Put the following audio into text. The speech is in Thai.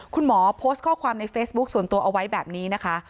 คุณหมอโพสต์ข้อความในเฟซบุ๊คส่วนตัวเอาไว้แบบนี้นะคะ